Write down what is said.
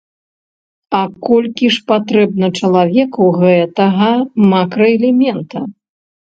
А колькі ж патрэбна чалавеку гэтага макраэлемента?